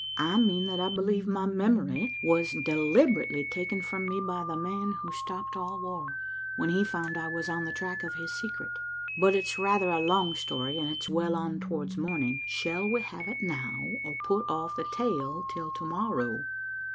"I mean that I believe my memory was deliberately taken from me by the man who stopped all war, when he found I was on the track of his secret. But it's rather a long story, and it's well on towards morning. Shall we have it now, or put off the tale till to morrow?"